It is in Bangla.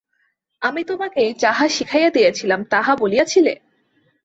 আমি তোমাকে যাহা শিখাইয়া দিয়াছিলাম তাহা বলিয়াছিলে?